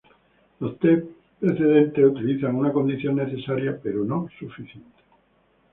Los tests precedentes utilizan una condición necesaria pero no suficiente.